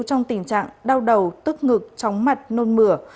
trong tình trạng đau đầu tức ngực chóng mặt nôn mửa